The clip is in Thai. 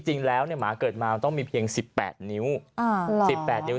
จริงแล้วหมาเกิดมามันต้องมีเพียง๑๘นิ้ว๑๘นิ้ว